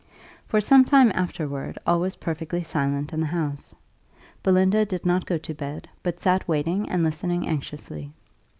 For some time afterward all was perfectly silent in the house. Belinda did not go to bed, but sat waiting and listening anxiously.